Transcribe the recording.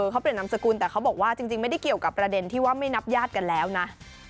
เขาเปลี่ยนนามสกุลแต่เขาบอกว่าจริงไม่ได้เกี่ยวกับประเด็นที่ว่าไม่นับญาติกันแล้วนะ